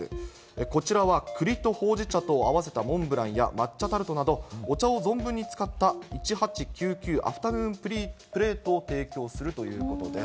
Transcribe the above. こちらは、くりとほうじ茶とを合わせたモンブランや抹茶タルトなど、お茶を存分に使った、１８９９アフタヌーンティープレートを提供するということです。